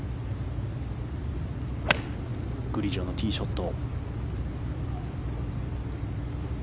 グリジョのティーショット。